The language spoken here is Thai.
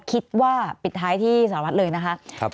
คิดว่าปิดท้ายที่สารวัตรเลยนะคะ